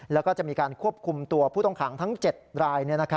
แล้วก็จะมีการควบคุมตัวผู้ต้องขังทั้ง๗ราย